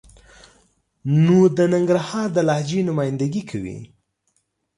نو د ننګرهار د لهجې نماینده ګي کوي.